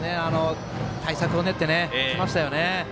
対策を練ってきましたよね。